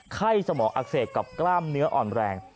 ไข้สมอกอักเสบกล้ามเนื้ออ่อนแรง